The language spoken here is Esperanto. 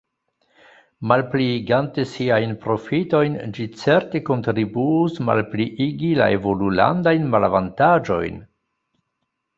Malpliigante siajn profitojn, ĝi certe kontribuus malpliigi la evolulandajn malavantaĝojn!